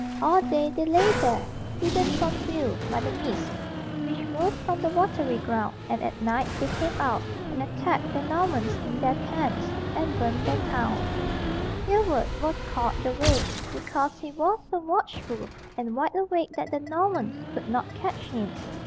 All day they lay there, hidden from view by the mists which rose from the watery ground, and at night they came out, and attacked the Normans in their tents, and burned their towns. Hereward was called "the Wake" because he was so watchful and wide awake that the Normans could not catch him.